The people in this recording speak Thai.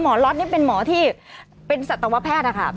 ล็อตนี่เป็นหมอที่เป็นสัตวแพทย์นะคะ